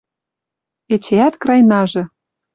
Эчеӓт крайнажы.